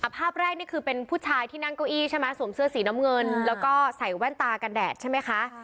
ภาพแรกนี่คือเป็นผู้ชายที่นั่งเก้าอี้ใช่ไหมสวมเสื้อสีน้ำเงินแล้วก็ใส่แว่นตากันแดดใช่ไหมคะ